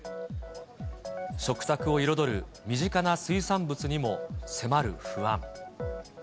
食卓を彩る身近な水産物にも迫る不安。